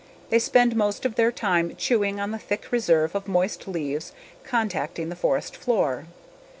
They spend most of their time chewing on the thick reserve of moist leaves contacting the forest floor.